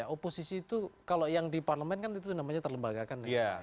oposisi itu kalau yang di parlement kan itu namanya terlembaga kan